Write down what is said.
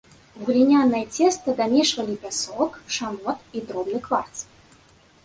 У глінянае цеста дамешвалі пясок, шамот і дробны кварц.